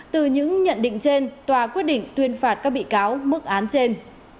từ những nhận định trên tòa quyết định tuyên phạt các bị cáo mức án trên